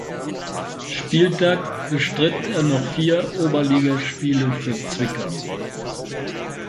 Spieltag bestritt er noch vier Oberligaspiele für Zwickau.